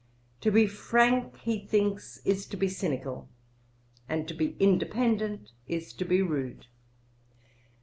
To be frank he thinks is to be cynical, and to be independent is to be rude.